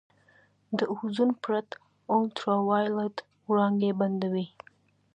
د اوزون پرت الټراوایلټ وړانګې بندوي.